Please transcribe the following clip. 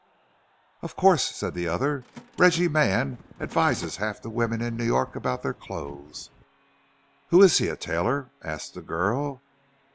"Of course," said the other. "Reggie Mann advises half the women in New York about their clothes." "Who is he? A tailor?" asked the girl.